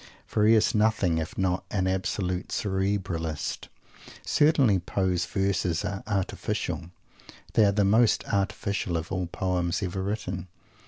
for he is nothing if not an absolute "Cerebralist." Certainly Poe's verses are "artificial." They are the most artificial of all poems ever written.